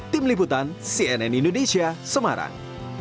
tim liputan cnn indonesia semarang